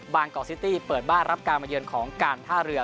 กอกซิตี้เปิดบ้านรับการมาเยือนของการท่าเรือ